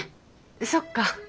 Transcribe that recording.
そっか。